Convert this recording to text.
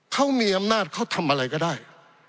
เขามีอำนาจเขาทำอะไรก็ได้